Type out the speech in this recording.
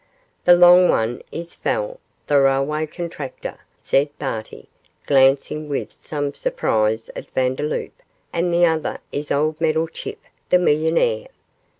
'The long one is Fell, the railway contractor,' said Barty, glancing with some surprise at Vandeloup, 'and the other is old Meddlechip, the millionaire.